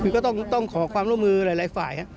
คือก็ต้องขอความร่วมมือหลายฝ่าย